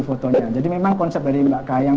fotonya jadi memang konsep dari mbak kayang